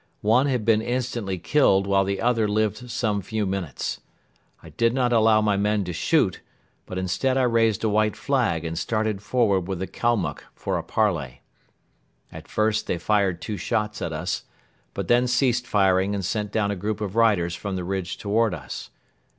One had been instantly killed while the other lived some few minutes. I did not allow my men to shoot but instead I raised a white flag and started forward with the Kalmuck for a parley. At first they fired two shots at us but then ceased firing and sent down a group of riders from the ridge toward us.